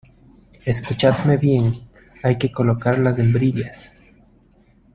escuchadme bien, hay que colocar las hembrillas